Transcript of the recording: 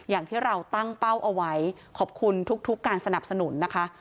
อย่างที่เราตั้งเป้าเอาไว้ขอบคุณทุกการสนับสนุนนะคะ